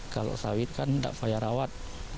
kalau sawit kan tidak payah rawat